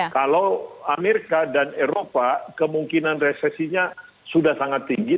kalau amerika dan eropa kemungkinan resesinya sudah sangat tinggi